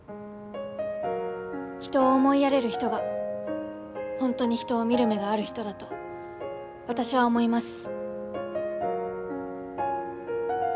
人を思いやれる人が本当に人を見る目がある人だと私は思います。